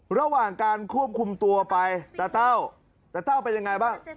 ระหว่างการควบคุมตัวไปตาเต้าตาเต้าเป็นยังไงบ้าง